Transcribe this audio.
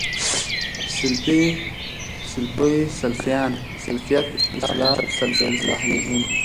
سلفي، سلفۍ، سلفيان، سلفيَت، اسلاف، سلف صالحين